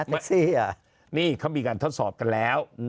เมื่อที่นี่เค้ามีการทดสอบแล้ว